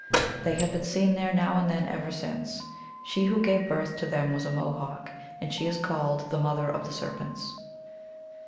They have been seen there, now and then, ever since. She who gave birth to them was a Mohawk, and she is called the Mother of Serpents.